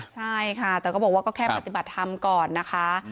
ใช่ค่ะแต่ก็บอกว่าก็แค่ปฏิบัติธรรมก่อนนะคะ